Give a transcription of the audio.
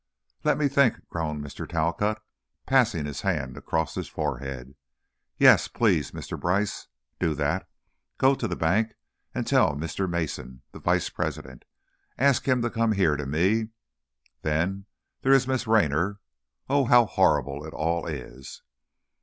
"Let me think," groaned Mr. Talcott, passing his hand across his forehead. "Yes, please, Mr. Brice, do that go to the bank and tell Mr. Mason, the vice president ask him to come here to me, then, there is Miss Raynor oh, how horrible it all is!"